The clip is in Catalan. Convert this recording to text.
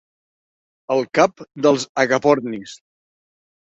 El cap dels agapornis.